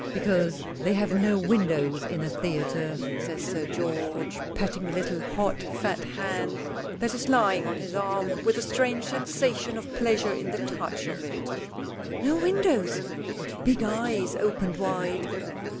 "Because they have no windows in a theatre," says Sir George, patting the little hot, fat hand that is lying on his arm, with a strange sensation of pleasure in the touch of it. "No windows?" with big eyes opened wide.